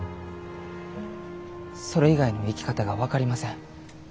それ以外の生き方が分かりません。